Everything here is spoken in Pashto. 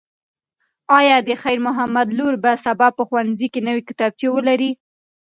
ایا د خیر محمد لور به سبا په ښوونځي کې نوې کتابچه ولري؟